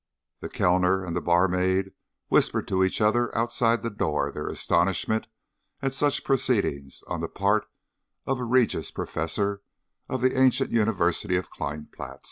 The Kellner and the barmaid whispered to each other outside the door their astonishment at such proceedings on the part of a Regius Professor of the ancient university of Kleinplatz.